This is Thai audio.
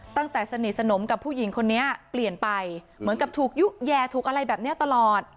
ตั้งแต่สนิทสนมกับผู้หญิงคนนี้เปลี่ยนไปเหมือนกับถูกยุแยถูกอะไรแบบนี้ตลอด